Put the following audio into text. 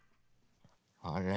あれ？